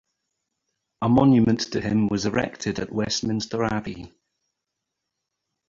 A monument to him was erected at Westminster Abbey.